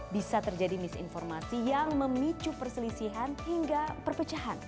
bisa terjadi misinformasi yang memicu perselisihan hingga perpecahan